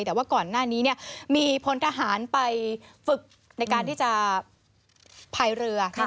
แต่ว่าก่อนหน้านี้มีพลทหารไปฝึกในการที่จะพายเรือ